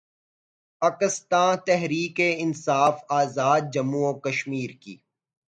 اکستان تحریک انصاف آزادجموں وکشمیر کی